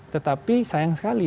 tetapi sayang sekali